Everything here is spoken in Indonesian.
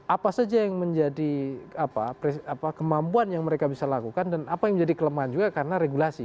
apa saja yang menjadi kemampuan yang mereka bisa lakukan dan apa yang menjadi kelemahan juga karena regulasi